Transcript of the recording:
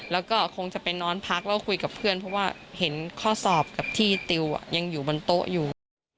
แล้วก็คงจะไปนอนพักแล้วคุยกับเพื่อนเพราะว่าเห็นข้อสอบกับที่ติวยังอยู่บนโต๊ะอยู่